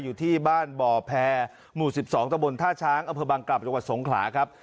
อยู่ที่บ้านบ่อแพรหมู่๑๒ตะบนท่าช้างอำเภอบังกลับจังหวัดสงขลาครับ